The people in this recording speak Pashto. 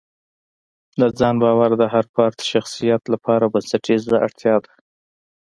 د ځان باور د هر فرد شخصیت لپاره بنسټیزه اړتیا ده.